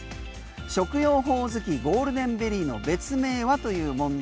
食用ホオズキゴールデンベリーの別名はという問題。